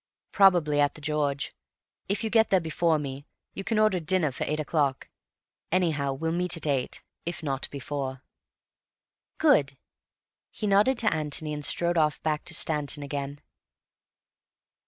"Probably at 'The George.' If you get there before me, you can order dinner for eight o'clock. Anyhow we'll meet at eight, if not before." "Good." He nodded to Antony and strode off back to Stanton again.